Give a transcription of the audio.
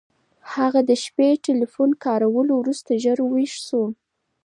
هغه د شپې ټیلیفون کارولو وروسته ژر ویښ شو.